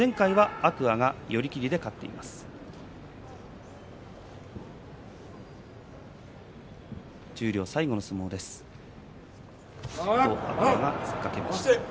天空海が突っかけました。